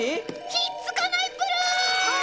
ひっつかないプル！